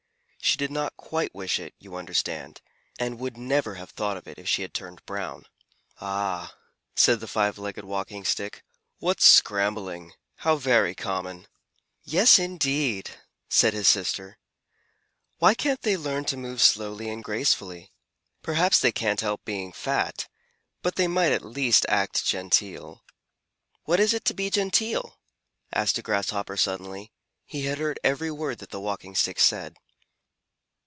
She did not quite wish it, you understand, and would never have thought of it if she had turned brown. "Ah," said the Five Legged Walking Stick, "what scrambling! How very common!" "Yes, indeed!" said his sister. "Why can't they learn to move slowly and gracefully? Perhaps they can't help being fat, but they might at least act genteel." "What is it to be genteel?" asked a Grasshopper suddenly. He had heard every word that the Walking Stick said.